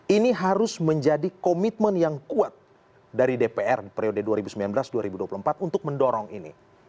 ini harus menjadi komitmen yang kuat dari dpr periode dua ribu sembilan belas dua ribu dua puluh empat untuk mendorong ini